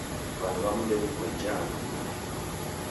Wandu wamu ndew'ikuenjaa andu kungi.